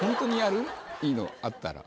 いいのあったら。